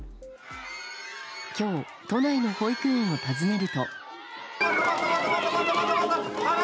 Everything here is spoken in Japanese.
今日都内の保育園を訪ねると。